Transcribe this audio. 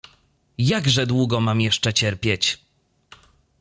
"Jakże długo mam jeszcze cierpieć?"